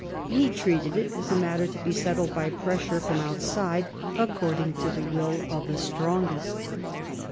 He treated it as a matter to be settled by pressure from outside, according to the will of the strongest.